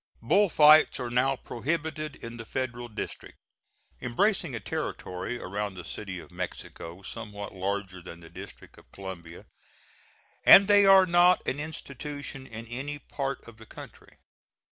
Bull fights are now prohibited in the Federal District embracing a territory around the City of Mexico, somewhat larger than the District of Columbia and they are not an institution in any part of the country.